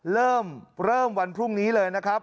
เริ่มเริ่มวันพรุ่งนี้เลยนะครับ